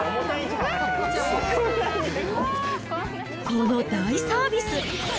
この大サービス。